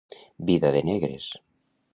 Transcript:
Vida de negres.